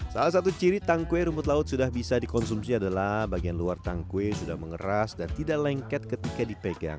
salah satu ciri tangkwe rumput laut sudah bisa dikonsumsi adalah bagian luar tangkwe sudah mengeras dan tidak lengket ketika dipegang